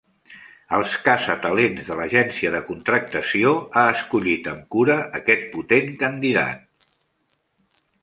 El caçatalents de l'agència de contractació ha escollit amb cura aquest potent candidat.